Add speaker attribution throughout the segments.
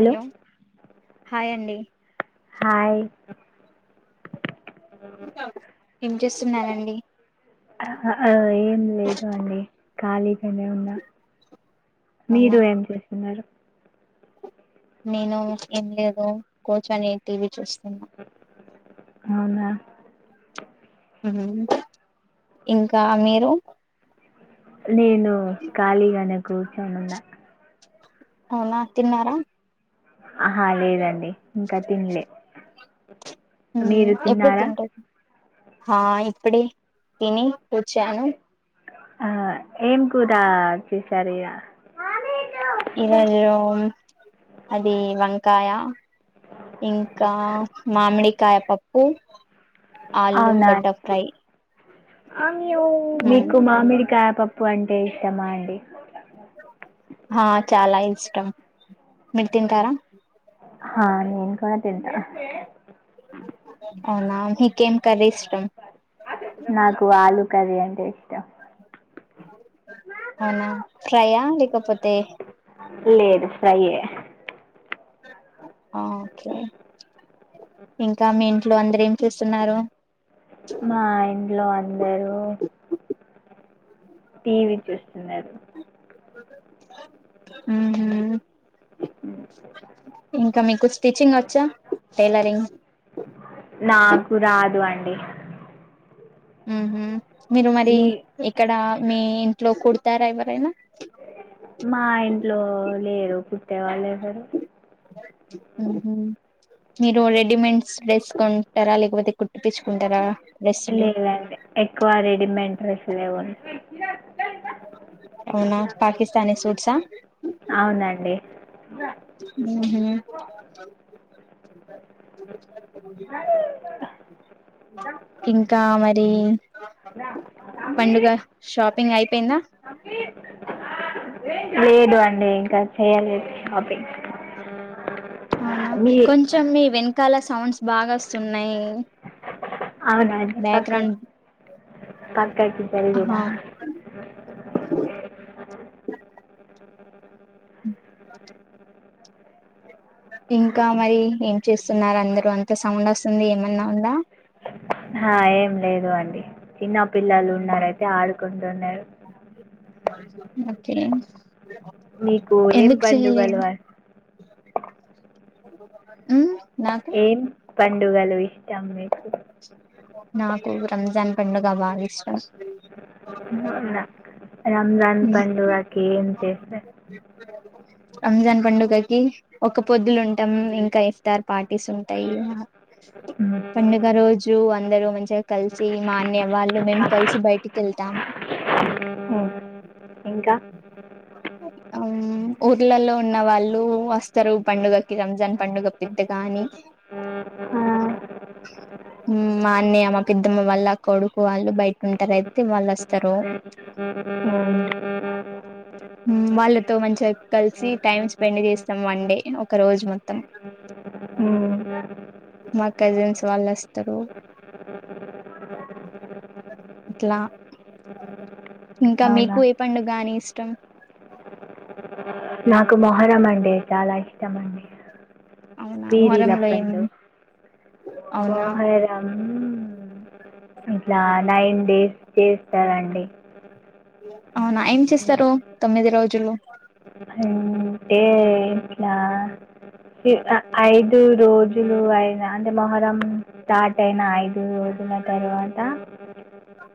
Speaker 1: Hello hi అండి
Speaker 2: hi
Speaker 1: ఏం చే స్తున్నానండి
Speaker 2: ఏం లేదు అండి కాలి అ ఉన్నా
Speaker 1: అవునా
Speaker 2: మీరు ఏం చేస్తున్నారు
Speaker 1: నేను ఏం లేదు కోచ్ అనేటివి చూస్తున్న
Speaker 2: అవునా
Speaker 1: ఉమ్ ఇంకా మీరు
Speaker 2: నేను ఖాళీగానే కూర్చొని ఉన్నా
Speaker 1: అవునా తిన్నారా
Speaker 2: ఆహా లేదండి ఇంకా తిన్లే
Speaker 1: మ్మ్
Speaker 2: మీరు
Speaker 1: ఎప్పుడు
Speaker 2: తిన్నారా
Speaker 1: తింటారు ఆ ఇప్పుడే తిని వచ్చాను
Speaker 2: ఆ ఏం కూరా చేసారయ్యా
Speaker 1: ఈరోజు అది వంకాయ ఇంకా మామిడికాయ పప్పు ఆలు గడ్డ ఫ్రై
Speaker 2: ఆ మీకు మామిడికాయా పప్పు అంటే ఇష్టమా అండి
Speaker 1: ఆ చాలా ఇష్టం మీరు తింటారా
Speaker 2: హా నేను కూడా తింటా
Speaker 1: అవునా మీకేం కర్రి ఇష్టం
Speaker 2: నాకు ఆలు కర్రీ అంటే ఇష్టం
Speaker 1: అవునా ఫ్రై యా లేకపోతే
Speaker 2: లేదు ఫ్రైయే
Speaker 1: ఓకే ఇంకా మీ ఇంట్లో అందరు ఏం చేస్తున్నారు
Speaker 2: మా ఇంట్లో ఆ అందరు టీవీ చూస్తున్నారు
Speaker 1: ఉమ్ ఇంకా మీకు స్టిచింగ్ వచ్చా టైలరింగ్
Speaker 2: డి
Speaker 1: ఉహూ మీరు మరి ఏక్కడ మీ ఇంట్లో కుడతారా ఎవరైనా
Speaker 2: మా స
Speaker 1: మీరు రెడిమెండ్స్ డ్రెస్ కొంటారా లేకపోతే కు
Speaker 2: లేదండి ఎక్కువ రెడీమేడ్ డ్రెస్సులు లేవ ఓయ్ చి
Speaker 1: అవునా పాకిస్తానీ సూట్స్ ఆ
Speaker 2: అండి
Speaker 1: ఉహుమ్
Speaker 2: అ
Speaker 1: ఇంకా మరి పండుగ షాప్ ప అయిపోయింద
Speaker 2: లేదు అండి ఇంకా చెయాలదు షాపింగ్
Speaker 1: అవునా
Speaker 2: మీ
Speaker 1: కొంచం మీ వెను కాల సౌండ్స్ బాగా వస్తున్నాయి
Speaker 2: అవునాండి పక్క
Speaker 1: బ్యాక్గ్రౌండ్
Speaker 2: ప కకి చల్దిన
Speaker 1: ఆహా ఇంకా మరి ఏం చేస్తున్నారు అందరు అంత సౌండ్ వస్తుంది ఏమన్నా ఉందా
Speaker 2: ఆ ఏం లేదు అండి చిన్నపిల్లలు ఉనారు అయితే ఆడుకుంటున్నారు అ
Speaker 1: ఉమ్
Speaker 2: మీకు ఏం
Speaker 1: ఎందుకు చేయలేదు
Speaker 2: పండుగలవా
Speaker 1: ఉమ్ నాకు
Speaker 2: ఏం పండుగలు ఇష్టం మీకు
Speaker 1: నాకు రంజాన్ పడుగ బాగా ఇష్టం
Speaker 2: అవునా రంజాన్
Speaker 1: ఉమ్
Speaker 2: పండుగకి ఏం చేస్తారు
Speaker 1: రంజాన్ పండుగకి ఒక పొద్దులు ఉంటాము ఇంకా ఇస్తారు పాట ర్టీస్ ఉంటాయి పాండా ఇ రోజు అందరుూ మంచిగా కలిసి మా అన్నయ వాళ్ళు మేము కలిసి బయటికి వెళ్తాం
Speaker 2: ఇంకా
Speaker 1: ఊర్లలో ఉన్న వాళ్ళు వ స్తరు పండుగకి రంజాన్ పండుగ పెద్దగా ఆని ఉమ్ మా అన్నయ మా పెద్దమ్మ వాళ్ళ కొడుకు వాళ్ళు బయట ఉంటారుయితే
Speaker 2: [inaudible]
Speaker 1: హ్ వాళ్ళతో మంచిగా కలిసి టైమ్ స్పెండ్ చేస్తాం. వన్ డే ఒక రోజు మొత్తం. మా కజిన్స్ వాళ్ళు వస్తారు ఇట్లా ఇంకా
Speaker 2: అవునా
Speaker 1: మీకు ఏ పండుగ గాని ఇష్టం
Speaker 2: నాకు మొహరం అండి చాలా ఇష్టము అండి
Speaker 1: అవునా
Speaker 2: పీరిల
Speaker 1: మొహరంలో ఏం
Speaker 2: పండుగ
Speaker 1: అవునా
Speaker 2: మొహరం ఇట్లా నైన్ డేస్ చేస్తారండి.
Speaker 1: అవునా ఏం చేస్తారు తొమ్మిది రోజులు
Speaker 2: అంటే ఇట్లా ఐదు రోజులు అయినా అంటే మొహరం స్టార్ట్ అయిన ఐదు రోజుల తర్వాత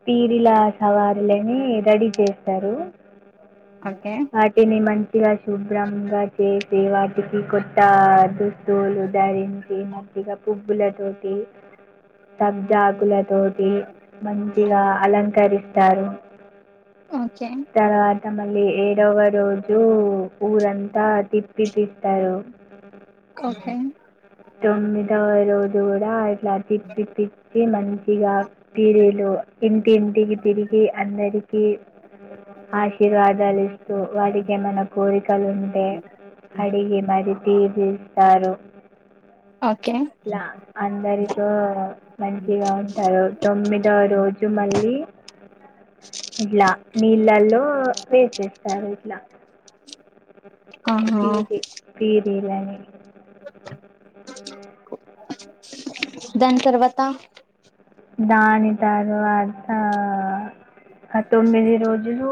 Speaker 2: పీరిలా సవా లని రెడీ చేస్తారు.
Speaker 1: ఓకే
Speaker 2: వాటిని మం [unintelligible] శుభ్రంగా చేసి వాటికి కొత్త దుస్తులు ధరించి మంచిగా పూవ్వులా తోటి [unintelligible] తోటి మంచిగా అలంకరి స్తరూ
Speaker 1: ఓకే
Speaker 2: మల్లి ఏడవ రోజు ఊరంతా తిప్పి తిస్తరు
Speaker 1: ఓకే
Speaker 2: తొమ్మిదవా రోజు కూడా [unintelligible] తే మంచిగా పిరీలు ఇంటి ఇంటికి తిరిగి అందరికి ఆశీర్వాదాలు ఇస్తూ వాడికి ఏమైనా కోరికలు ఉంటే అడిగి మరి తీపిస్తారు.
Speaker 1: ఓకే
Speaker 2: ఇట్లా అందరితో మంచిగా ఉంటారు తొమ్మిదవ రోజు మళ్ళీ ఇట్లా నీళ్ళల్లో వేసేస్తారు. ఇట్లా
Speaker 1: ఆహా
Speaker 2: పీరి పిరి పీరి లనీ అ
Speaker 1: దాని తర్వాత
Speaker 2: దాని త ర్వత ఆ తొమ్మిది రోజులు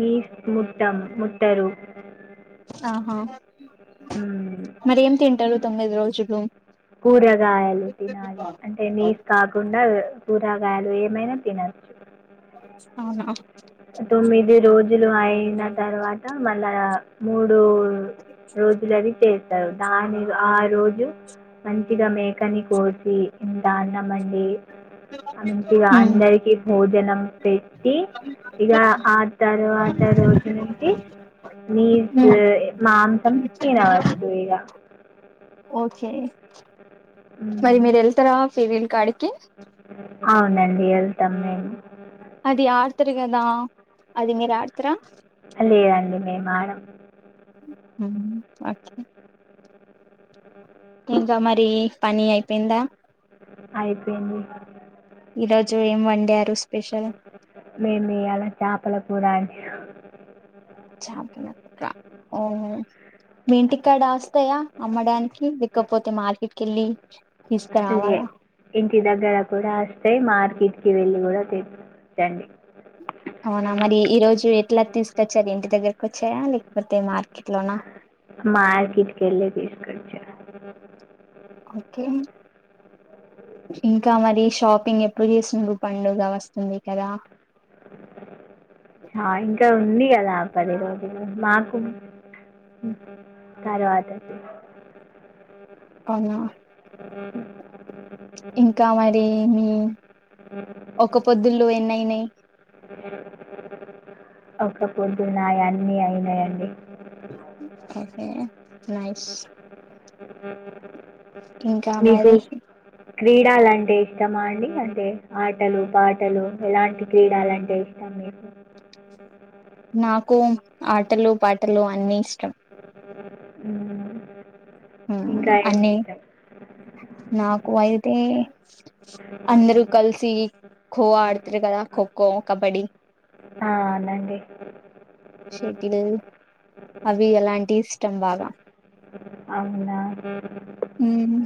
Speaker 2: నిస్ ముట్ ట్టం ముట్టరు
Speaker 1: ఆహా
Speaker 2: ఉమ్,
Speaker 1: మరీ ఏం తింటారు. తొమ్మిది రోజులు
Speaker 2: కూరగాయలు తినాలి అంటే నీస్ కాకుండా. కూరగాయలు ఏమైనా తినొచ్చు.
Speaker 1: అవునా.
Speaker 2: తొమ్మిది రోజులు అయిన తర్వాత మళ్ళా మూడ్ డూ రోజులు అది చేస్తారు. దాని ఆ రోజు జు. మంచిగా మేకని కోసీ ఇంతా అన్నం వండీ. మంచిగా
Speaker 1: మ్మ్
Speaker 2: అందరికి భోజనం పెట్టి. ఇగా ఆ తరువాత రోజు నుంచి నీస
Speaker 1: మ్మ్
Speaker 2: మాంసం తినవచ్చు ఇగ. అ
Speaker 1: ఓకే మరి మీరు ఎళ్తరా ఫీవీల్ కాడికి.
Speaker 2: అవునండి ఎళ్తం మేము.
Speaker 1: అది ఆడతరు కదా, అది మీరు ఆడుతరా.
Speaker 2: లేదండి మేము ఆడం.
Speaker 1: అచ్చ. ఇంకా మరీ పని అయిపోయిందా.
Speaker 2: అయిపోయింది.
Speaker 1: ఈరోజు ఏం వుండారు స్ప్
Speaker 2: మేమియాల చేపల కూర అండి. ఆయా
Speaker 1: చాపల కూర అవునా మీ ఇంటికాడా వస్తాయా. అమ్మడానికి, లేకపోతే మార్కెట్ కెళ్ళీ.
Speaker 2: అదే ఇంటి దగ్గర కూడా వస్తయ్ మార్ కెట్కీ వెళ్ళి కూడా తెచ్చుకోవచ్చు అండి.
Speaker 1: అవునా మరి ఈ రోజూ ఎట్లా తీసుకొచ్చారు ఇంటి దగ్గరకి వచ్చాయా, లేకపోతే మార్కెట్ లోనా.
Speaker 2: మార్కెట్ కెళ్ళే తీసుకొచ్చా.
Speaker 1: ఓకే. ఇంకా మరీ షాపింగ్ ఎప్పుడు చేసున్ర్రు పండుగ వస్తుంది కదా.
Speaker 2: ఆ ఇంకా ఉందీ కదా. పది రోజులు మాకు తరువాత
Speaker 1: అవునా ఇంకా మ దేమీ
Speaker 2: ఉ
Speaker 1: పొద్దులు ఎన్నయినయి.
Speaker 2: ఒక పొద్దు నాయి అన్నీ అయినయండి.
Speaker 1: Okay nice. ఇంకా మరి
Speaker 2: క్రీడలాంటే ఇష్టమా అండి. అంటే ఆటలు, పాటలు ఎలాంటి క్రీడలుంటే ఇష్టం. మీకు
Speaker 1: నాకు ఆటలు పాటలు అన్నిీ ఇష్ టం
Speaker 2: ఉహ్
Speaker 1: ఉహ్ అన్నీ నాక్ ఖో అయితే అందరుూ కలిసి ఖో ఆడతారు కదా ఖోఖో, కబడ్డీ.
Speaker 2: అవునండి
Speaker 1: షటిల్ అవి అలాంటి ఇష్టం బాగా
Speaker 2: అవునా
Speaker 1: ఉహ్మ్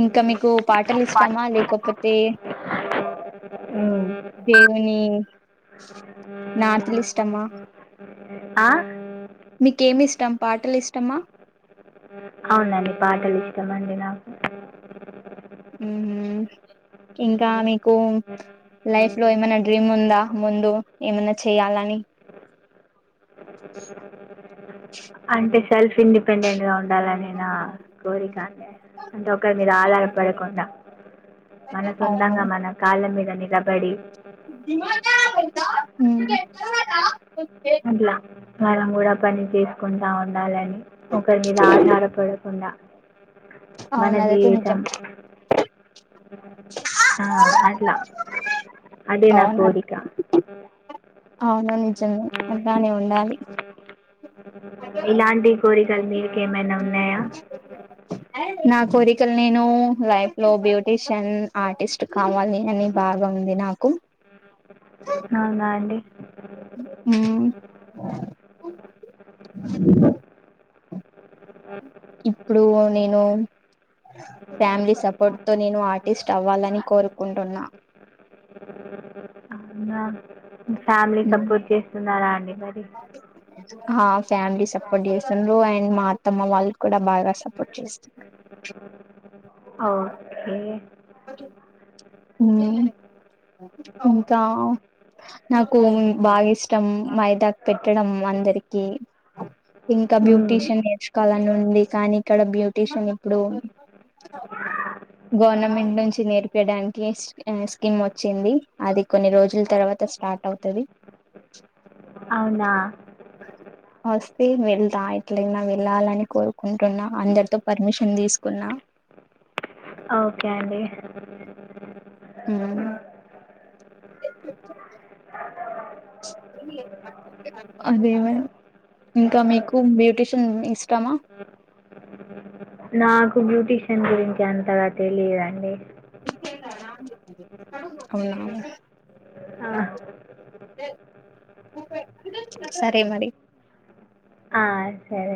Speaker 1: ఇంకా మీకు పాటలు ఇష్టామా లేకపోతే
Speaker 2: ఉహ్
Speaker 1: నార్త్లీ ఇష్టమ్మా
Speaker 2: ఆ?
Speaker 1: మీకేమి ఇష్టం పాటలు ఇష్టమా
Speaker 2: అవునండి పాటలు ఇస్తామండి నాకు
Speaker 1: ఉమ్, ఇంకా మీకు లైఫ్ లో ఏమైనా డ్రీమ్ ఉందా. ముందు ఏమైన్నా చేయాలని
Speaker 2: అంటే సెల్ఫ్ ఇండిపెండెంట్ గా ఉండాలనే నా కోరిక అండే అంటే ఒకరి మీద ఆధారపడకుండా. మన సొంతంగా మన కళ్ల మీద నిల్ నీలాబడి
Speaker 1: ఇమనవ్ ఉహ్మ్
Speaker 2: అట్లా మనం కూడా పని చేసుకుంటా ఉండాలని ఒకరి మీద ఆధారపడకుండా మన
Speaker 1: అవును అదేతే నిజం
Speaker 2: జీవితం ఆ అద్ నా అదే నా
Speaker 1: అవును
Speaker 2: కోరికా
Speaker 1: అవును నిజం అలానే ఉండాలి
Speaker 2: ఇలాంటి కోరికలు మీకు ఏమైనా ఉన్నాయా
Speaker 1: నాక్ కోరికలు నేను లైఫ్ లో బ్యూటీషియన్ ఆర్టిస్ట్ కావాలి అని బాగా ఉంది నాకు.
Speaker 2: అవునా అండి
Speaker 1: అ ఇప్పుడు నేను ఫ్యామిలీ సపోర్ట్ తో నేను ను ఆర్టిస్ట్ అవ్వాలని కోరుకుంటున్నా
Speaker 2: అ ఫ్యామిలీ సపోర్ట్ చేస్తున్నారా అండి మరి
Speaker 1: ఫ్యామిలీ సపోర్ట్ చేస్తుంది మా అత్తమ్మ వాళ్ళు కూడా బాగా సపోర్ట్ చేస్తాంది
Speaker 2: ఆ ఏ
Speaker 1: ఒకే ఇంకా నాకు బాగా ఇష్టం మైదాగ పెట్టడం అందరికి ఇంకా
Speaker 2: హ్మ్.
Speaker 1: బ్యూటీషియన్ నేర్చుకోవాలని ఉండి కానీ ఇక్కడ బ్యూటీషియన్ ఇప్పుడు గవర్నమెంట్ నుంచి నేర్పయడానికి కే స్కీమ్ వచ్చింది అది కొన్ని రోజుల తర్వాత స్టార్ట్ అవుతుది
Speaker 2: అవునా
Speaker 1: వస్తే వెళ్దా ఎట్లైనా వెళ్ళాలని కోరుకుంటున్నా అందరితో పర్మిషన్ తీసుకున్నా
Speaker 2: ఓకే అండి
Speaker 1: మ్మ్ అదే మ ఇంకా మీకు బ్యూటీషియన్ ఇష్టామా
Speaker 2: నాకు బ్యూటీషియన్ గురించి ఎంతగా తెలియదండి
Speaker 1: అవునా
Speaker 2: ఆ!
Speaker 1: సరే మరి
Speaker 2: ఆ! సరే